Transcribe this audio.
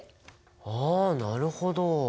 ああなるほど。